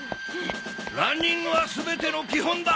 ランニングは全ての基本だ！